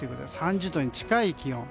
３０度に近い気温。